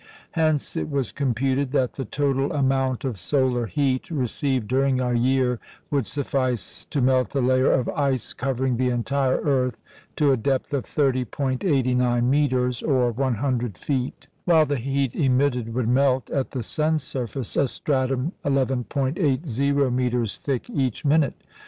Hence it was computed that the total amount of solar heat received during a year would suffice to melt a layer of ice covering the entire earth to a depth of 30·89 metres, or 100 feet; while the heat emitted would melt, at the sun's surface, a stratum 11·80 metres thick each minute.